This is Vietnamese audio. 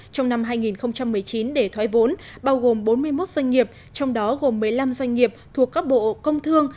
trong năm hai nghìn một mươi chín để thoái vốn bao gồm bốn mươi một doanh nghiệp trong đó gồm một mươi năm doanh nghiệp thuộc các bộ công thương